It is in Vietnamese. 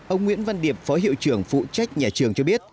ông nguyễn văn điệp phó hiệu trưởng phụ trách nhà trường cho biết